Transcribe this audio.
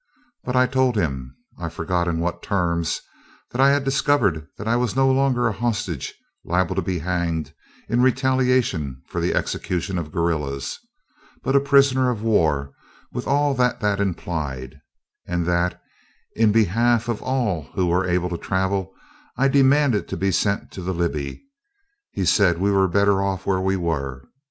But I told him, I forget in what terms, that I had discovered that I was no longer a hostage liable to be hanged in retaliation for the execution of guerrillas, but a prisoner of war, with all that that implied, and that, in behalf of all who were able to travel, I demanded to be sent to the Libby. He said we were better off where we were.